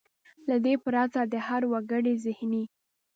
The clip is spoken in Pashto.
له دې پرته د هر وګړي زهني .